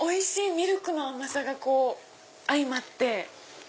ミルクの甘さが相まって。